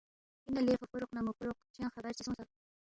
اِنا لے فوفوروق نہ موفوروق چنگ خبر چی سونگسا؟